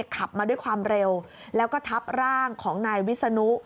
ขับมาด้วยความเร็วแล้วก็ทับร่างของนายวิศนุ